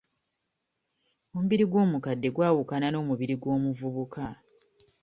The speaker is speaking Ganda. Omubiri gw'omukadde gwawukana n'omubiri gw'omuvubuka.